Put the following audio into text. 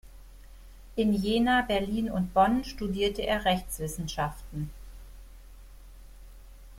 In Jena, Berlin und Bonn studierte er Rechtswissenschaften.